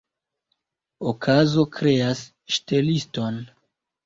Okazo kreas ŝteliston.